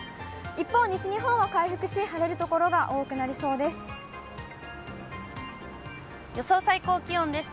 一方、西日本は回復し、晴れる所が多くなりそうです。